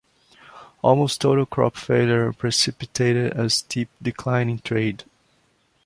Almost total crop failure precipitated a steep decline in trade.